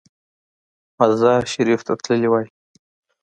مزار شریف ته تللی وای.